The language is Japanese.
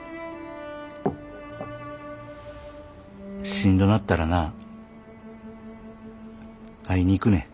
しんどなったらな会いに行くねん。